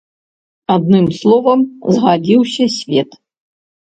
Адным словам, згадзіўся свет.